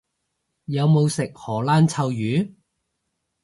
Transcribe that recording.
有冇食荷蘭臭魚？